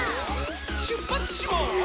しゅっぱつします！